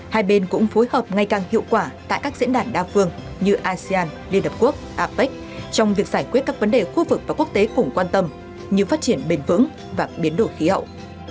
hai bên cũng phối hợp ngay càng hiệu quả tại các diễn đàn đa phương như asean liên hợp quốc apec trong việc giải quyết các vấn đề khu vực và quốc tế cùng quan tâm như phát triển bền vững và biến đổi khí hậu